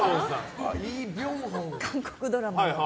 韓国ドラマの。